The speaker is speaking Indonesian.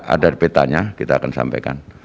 ada petanya kita akan sampaikan